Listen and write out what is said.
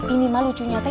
ini mah lucu nyate